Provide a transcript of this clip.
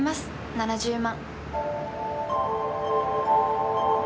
７０万。